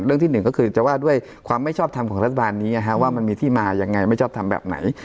ที่หนึ่งก็คือจะว่าด้วยความไม่ชอบทำของรัฐบาลนี้ว่ามันมีที่มายังไงไม่ชอบทำแบบไหน